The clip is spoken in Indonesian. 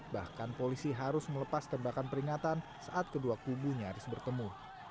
bahkan polisi harus melepas tembakan peringatan saat kedua kubu nyaris bertemu